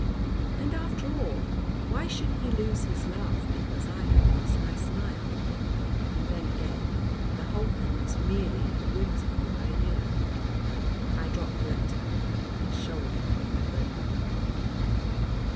And, after all, why should he lose his laugh because I had lost my smile? And then, again, the whole thing was merely a whimsical idea. I dropped the letter, and shouldered my burden.